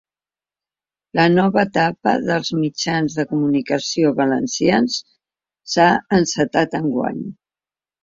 La nova etapa dels mitjans de comunicació valencians s’ha encetat enguany.